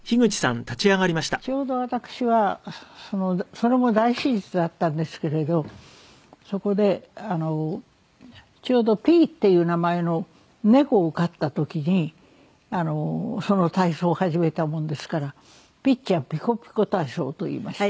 ちょうど私はそれも大手術だったんですけれどそこでちょうど「ぴー」っていう名前の猫を飼った時にその体操を始めたものですから「ピッチャンピコピコ体操」といいまして。